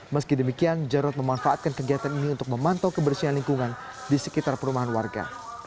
meski demikian jarod memanfaatkan kegiatan ini untuk memantau kebersihan lingkungan di sekitar perumahan warga